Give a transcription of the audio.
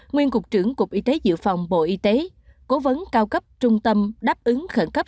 nguyên cục trưởng cục y tế dự phòng bộ y tế cố vấn cao cấp trung tâm đáp ứng khẩn cấp